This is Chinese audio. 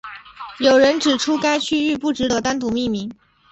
有人指出该区域不值得单独命名。